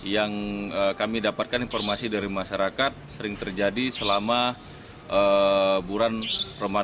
yang kami dapatkan informasi dari masyarakat sering terjadi selama bulan ramadan